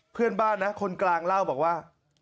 เพื่อนบ้านนะคนกลางเล่าบอกว่า